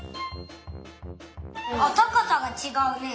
あったかさがちがうね。